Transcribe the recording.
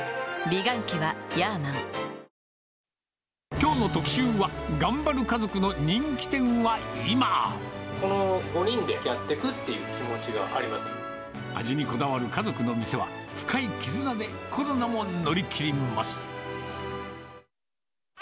きょうの特集は、この５人でやっていくという味にこだわる家族の店は、深い絆でコロナも乗り切ります。